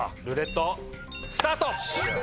ルーレットスタート！